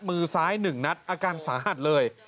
มือซ้าย๑นัดอาการสาหัสเลย